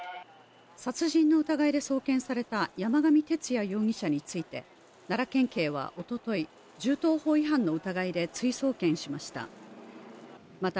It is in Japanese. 殺人の疑いで送検された山上徹也容疑者について、奈良県警はおととい、銃刀法違反の疑いで追送検しました。